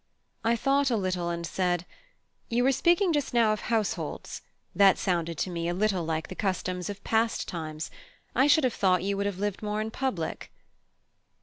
I thought a little, and said: "You were speaking just now of households: that sounded to me a little like the customs of past times; I should have thought you would have lived more in public."